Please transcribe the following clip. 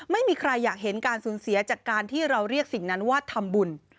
ไม่มีใครอยากเห็นการสูญเสียจากการที่เราเรียกสิ่งนั้นว่าทำบุญ